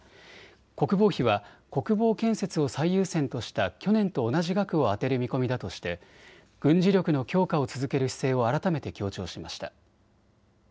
国防費は国防建設を最優先とした去年と同じ額を充てる見込みだとして軍事力の強化を続ける姿勢を改めて強調しました。